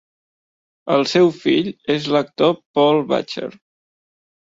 El seu fill és l'actor Paul Butcher.